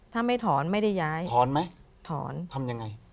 ถ้าไม่ถอนไม่ได้ย้ายถอนไหมถอนทำยังไง